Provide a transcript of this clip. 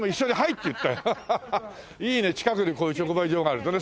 いいね近くにこういう直売所があるとね。